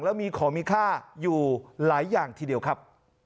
แล้วมีของมีค่าอยู่หลายอย่างทีเดียวครับ